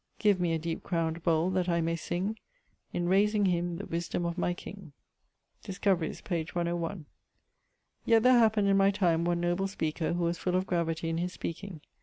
Give me a deep crown'd bowle, that I may sing In raysing him the wisdome of my king. Discoveries, p. 101. Yet there happened in my time one noble speaker[XII.] who was full of gravity in his speaking.